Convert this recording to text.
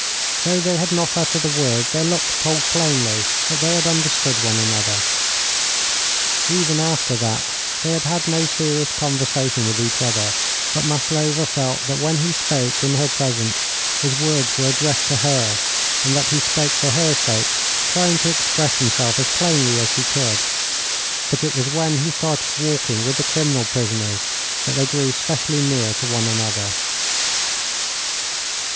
Though they had not uttered a word, their looks told plainly that they had understood one another. Even after that they had had no serious conversation with each other, but Maslova felt that when he spoke in her presence his words were addressed to her, and that he spoke for her sake, trying to express himself as plainly as he could; but it was when he started walking with the criminal prisoners that they grew specially near to one another.